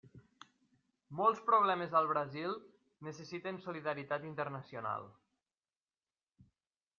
Molts problemes al Brasil necessiten solidaritat internacional.